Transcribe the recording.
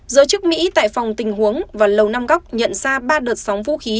giới chức mỹ tại phòng tình huống và lầu năm góc nhận ra ba đợt sóng vũ khí